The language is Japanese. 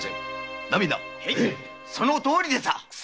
そのとおりでさ。